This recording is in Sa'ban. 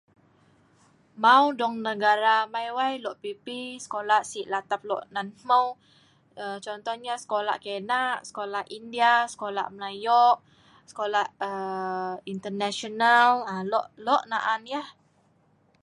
Mau dong negara(Aweng rah)amai wai lok pipi sekolah si latap lok nan hmeu, contoh yah sekolah kina, sekola India, sekolah melayo',sekolah International (sekolah belta') lok naan yah